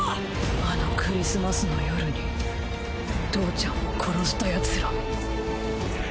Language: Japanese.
あのクリスマスの夜に父ちゃんを殺したヤツら。